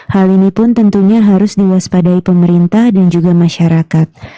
hal ini pun tentunya harus diwaspadai pemerintah dan juga masyarakat